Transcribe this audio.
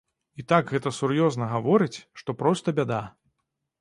І так гэта сур'ёзна гаворыць, што проста бяда.